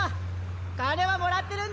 金はもらってるんだ。